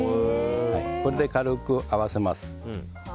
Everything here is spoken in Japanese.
これで軽く合わせます。